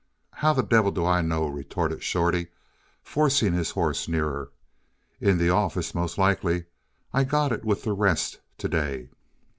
"How the devil do I know?" retorted Shorty, forcing his horse nearer. "In the office, most likely. I got it with the rest to day."